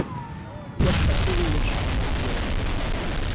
Я спросила её, чем она сделала.